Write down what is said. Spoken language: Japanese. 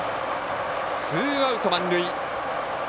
ツーアウト、満塁。